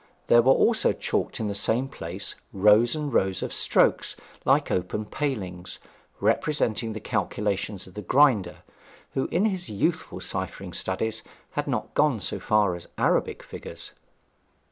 There were also chalked in the same place rows and rows of strokes like open palings, representing the calculations of the grinder, who in his youthful ciphering studies had not gone so far as Arabic figures.